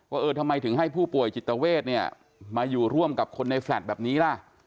เออทำไมถึงให้ผู้ป่วยจิตเวทเนี่ยมาอยู่ร่วมกับคนในแฟลต์แบบนี้ล่ะ